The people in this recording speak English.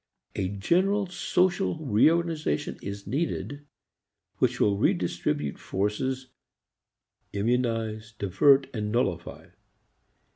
A general social re organization is needed which will redistribute forces, immunize, divert and nullify.